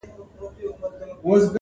وو حاکم خو زور یې زیات تر وزیرانو!.